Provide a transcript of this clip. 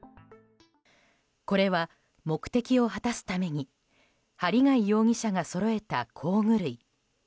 これは目的を果たすために針谷容疑者がそろえた工具類。